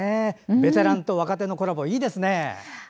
ベテランと若手のコラボいいですね。